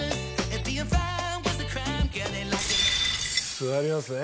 座りますね